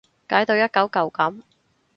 解到一舊舊噉